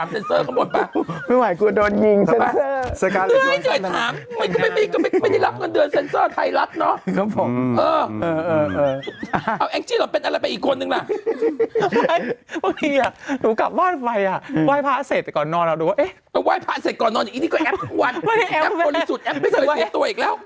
แอปโดนลึกสุดแอปเป็นใครอาบให้ถูกตัวอีกแล้ว